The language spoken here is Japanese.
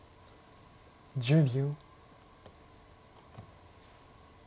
１０秒。